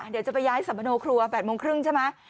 เดี๋ยวจะไปย้ายสัมมโนครัว๘โมงครึ่งใช่ไหม